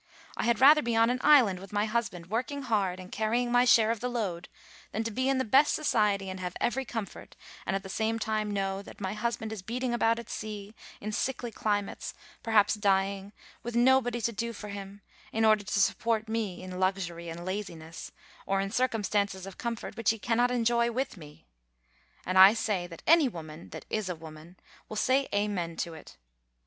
I had rather be on an island with my husband, working hard, and carrying my share of the load, than to be in the best society, and have every comfort, and at the same time know that my husband is beating about at sea, in sickly climates, perhaps dying, with nobody to do for him, in order to support me in luxury and laziness, or in circumstances of comfort which he cannot enjoy with me; and I say that any woman, that is a woman, will say amen to it.